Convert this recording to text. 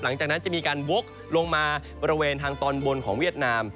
หลังจากนั้นจะมีการวกลงมาบริเวณทางตอนบนของเวียดนาม